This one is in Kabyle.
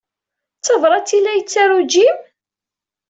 D tabṛat ay la yettaru Jim?